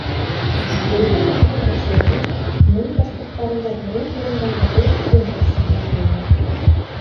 Йәйге миҙгел башланыу мең башҡорттарында борон-борондан бер көн тылсымына бәйле.